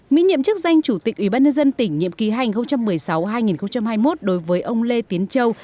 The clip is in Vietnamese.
miễn nhiệm chức danh chủ tịch ủy ban nhân dân tỉnh nhiệm kỳ hai nghìn một mươi sáu hai nghìn hai mươi một đối với ông lê tiến châu